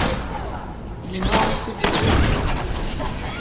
Il est mort de ces blessures.